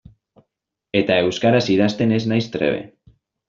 Eta euskaraz idazten ez naiz trebe.